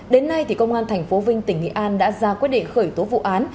đến nay công an tp vinh tỉnh nghệ an đã ra quyết định khởi tố vụ án